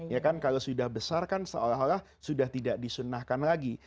ya kan kalau sudah besar kan seolah olah sudah tidak disunnahkan lagi